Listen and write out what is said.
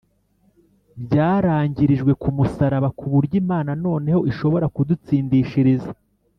byarangirijwe ku musaraba ku buryo Imana noneho ishobora kudutsindishiriza,